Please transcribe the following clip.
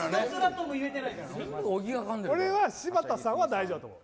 俺は柴田さんは大丈夫だと思う。